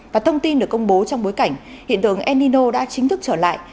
và thông tin được công bố trong bối cảnh hiện tượng el nino đã chính thức trở lại